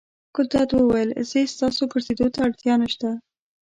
ګلداد وویل: ځئ ستاسې ګرځېدو ته اړتیا نه شته.